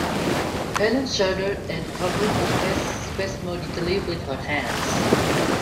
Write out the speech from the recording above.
Helene shuddered and covered her face spasmodically with her hands.